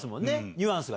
ニュアンスが。